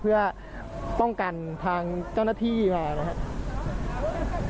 เพื่อป้องกันทางเจ้าหน้าที่มานะครับ